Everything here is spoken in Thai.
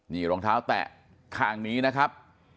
นี่รองเท้าแตะข้างนี้นะครับ